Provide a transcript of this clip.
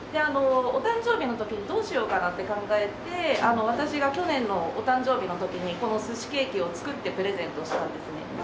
お誕生日の時にどうしようかなって考えて私が去年のお誕生日の時にこの寿司ケーキを作ってプレゼントしたんですね。